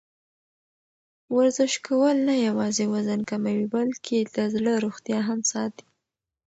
ورزش کول نه یوازې وزن کموي، بلکې د زړه روغتیا هم ساتي.